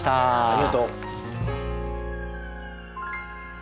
ありがとう。